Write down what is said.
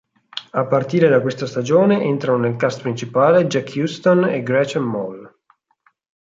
A partire da questa stagione entrano nel cast principale Jack Huston e Gretchen Mol.